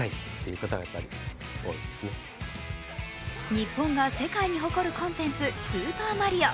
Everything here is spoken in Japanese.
日本が世界に誇るコンテンツ、スーパーマリオ。